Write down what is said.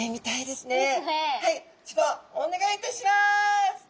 ではお願いいたします！